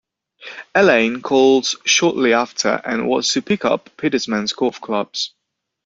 Elaine calls shortly after and wants to pick up Peterman's golf clubs.